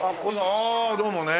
ああどうもね。